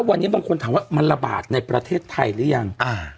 วันนี้บางคนถามว่ามันระบาดในประเทศไทยหรือยัง